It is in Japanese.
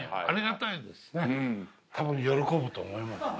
たぶん喜ぶと思います。